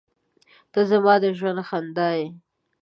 • ته زما د ژوند خندا یې.